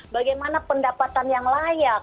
bagaimana pendapatan yang layak